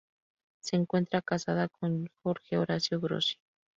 Se encuentra casada con Jorge Horacio Grossi.